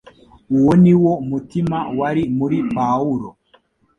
Uwo ni wo mutima wari muri Pawulo.